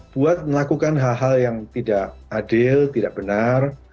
buat melakukan hal hal yang tidak adil tidak benar